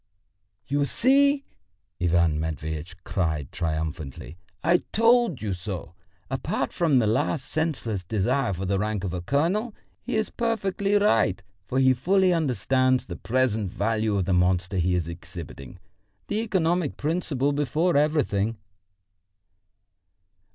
"You see!" Ivan Matveitch cried triumphantly. "I told you so! Apart from this last senseless desire for the rank of a colonel, he is perfectly right, for he fully understands the present value of the monster he is exhibiting. The economic principle before everything!"